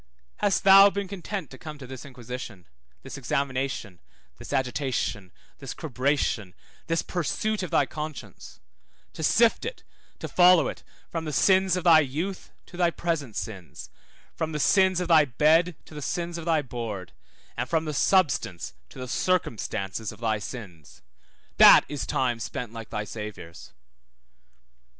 Hast thou been content to come to this inquisition, this examination, this agitation, this cribration, this pursuit of thy conscience; to sift it, to follow it from the sins of thy youth to thy present sins, from the sins of thy bed to the sins of thy board, and from the substance to the circumstance of thy sins? That is time spent like thy Saviour's.